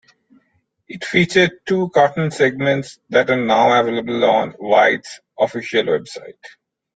It featured two cartoon segments that are now available on White's official website.